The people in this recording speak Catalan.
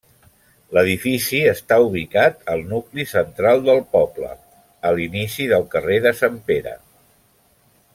L'edifici està ubicat al nucli central del poble, a l'inici del carrer de Sant Pere.